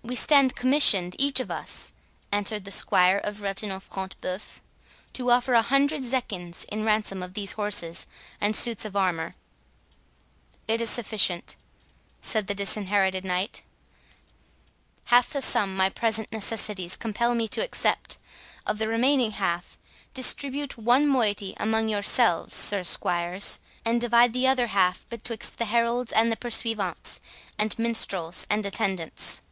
"We stand commissioned, each of us," answered the squire of Reginald Front de Bœuf, "to offer a hundred zecchins in ransom of these horses and suits of armour." "It is sufficient," said the Disinherited Knight. "Half the sum my present necessities compel me to accept; of the remaining half, distribute one moiety among yourselves, sir squires, and divide the other half betwixt the heralds and the pursuivants, and minstrels, and attendants."